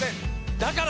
だから！